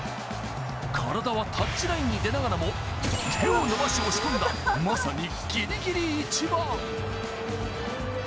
体はタッチラインに出ながらも手を伸ばし押し込んだ、まさにギリギリイチバン！